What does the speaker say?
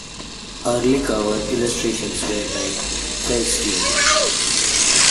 Early cover illustrations were by Feldstein.